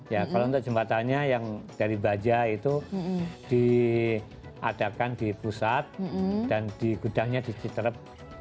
ya kalau untuk jembatannya yang dari baja itu diadakan di pusat dan di gudangnya di citerep